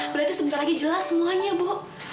berarti sebentar lagi jelas semuanya bu